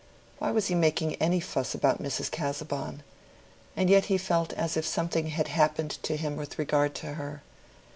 Why was he making any fuss about Mrs. Casaubon? And yet he felt as if something had happened to him with regard to her.